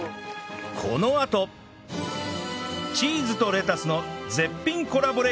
このあとチーズとレタスの絶品コラボレーション！